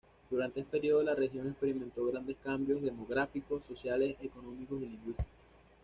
Durante este período la región experimentó grandes cambios demográficos, sociales, económicos y lingüísticos.